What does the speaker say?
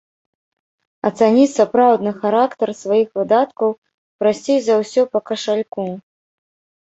Ацаніць сапраўдны характар сваіх выдаткаў прасцей за ўсё па кашальку.